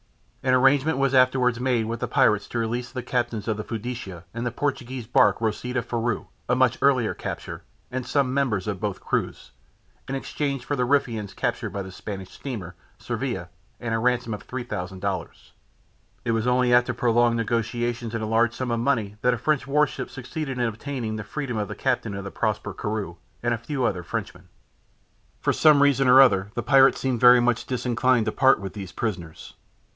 An arrangement was afterwards made with the pirates to release the captains of the Fiducia and the Portuguese barque Rosita Faro a much earlier capture and some members of both crews, in exchange for the Riffians captured by the Spanish steamer Sevilla and a ransom of 3,000 dollars. It was only after prolonged negotiations and a large sum of money that a French warship succeeded in obtaining the freedom of the captain of the Prosper Corue and a few other Frenchmen. For some reason or other, the pirates seemed very much disinclined to part with these prisoners.